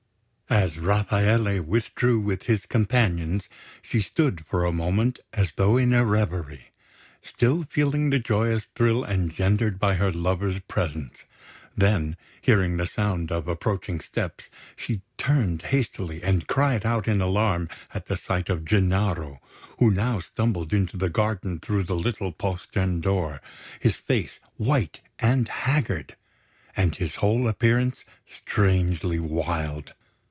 As Rafaele withdrew with his companions, she stood for a moment as though in a reverie, still feeling the joyous thrill engendered by her lover's presence; then, hearing the sound of approaching steps, she turned hastily and cried out in alarm at the sight of Gennaro, who now stumbled into the garden through the little postern door, his face white and haggard, and his whole appearance strangely wild.